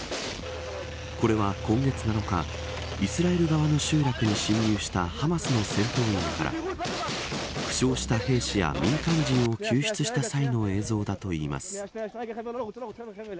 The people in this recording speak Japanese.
これは今月７日イスラエル側の集落に侵入したハマスの戦闘員から負傷した兵士や民間人を救出した際の映像だといいます。